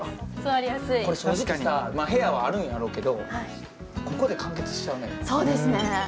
正直、部屋はあるんやけど、ここで完結しちゃうね。